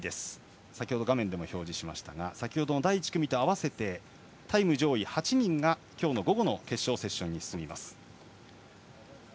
先ほど画面でも表示しましたが先ほどの第１組と合わせてタイム上位８人が今日午後の決勝セッションに進みます。